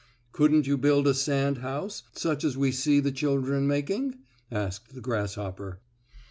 "Couldn't you build a sand house, such as we see the children making?" asked the grasshopper.